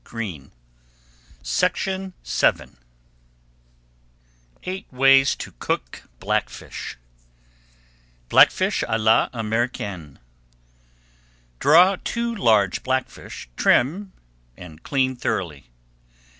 [Page 65] EIGHT WAYS TO COOK BLACKFISH BLACKFISH À L'AMERICAINE Draw two large blackfish, trim, and clean thoroughly.